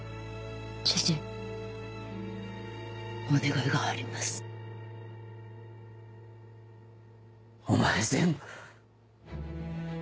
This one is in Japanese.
知事お願いがありますお前全部。